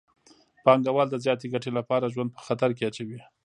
پانګوال د زیاتې ګټې لپاره ژوند په خطر کې اچوي